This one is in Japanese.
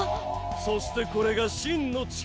そしてこれが真の力！